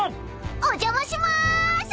お邪魔します！